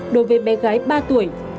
đối với bé gái ba tuổi